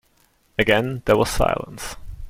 Again there was silence;